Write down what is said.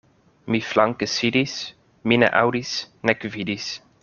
Mi flanke sidis, mi ne aŭdis nek vidis.